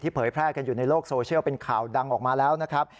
เผยแพร่กันอยู่ในโลกโซเชียลเป็นข่าวดังออกมาแล้วนะครับ